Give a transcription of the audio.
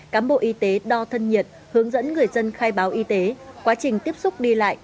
cám bộ y tế đo thân nhiệt hướng dẫn người dân khai báo y tế quá trình tiếp xúc đi lại